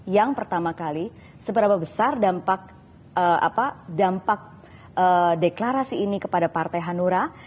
yang pertama kali seberapa besar dampak deklarasi ini kepada partai hanura